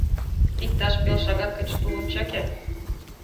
Иктаж пел шагат гыч тулым чыке.